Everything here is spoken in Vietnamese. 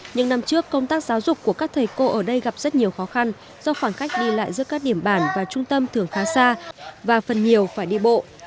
những năm trước công tác giáo dục của các thầy cô ở đây gặp rất nhiều khó khăn do khoảng cách đi lại giữa các điểm bản và trung tâm thường khá xa và phần nhiều phải đi bộ